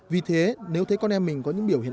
vì thế nếu thấy con em mình có những biểu hiện